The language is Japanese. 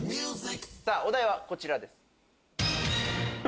お題はこちらです。